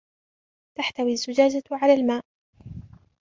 تحتوي الزجاجة على الماء.